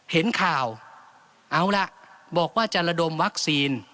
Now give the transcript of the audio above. เห็นข่าวเอาล่ะบอกว่าจะระดมวัคซีน